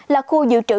là khu dự trị